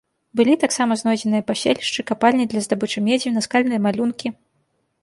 Былі таксама знойдзеныя паселішчы, капальні для здабычы медзі, наскальныя малюнкі.